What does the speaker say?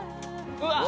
うわっ！